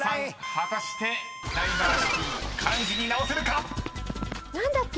果たして「ダイバーシティ」漢字に直せるか⁉］